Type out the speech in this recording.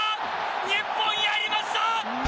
日本、やりました！